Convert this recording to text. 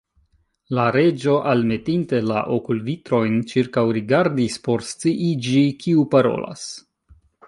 La Reĝo, almetinte la okulvitrojn, ĉirkaŭrigardis por sciiĝi kiu parolas.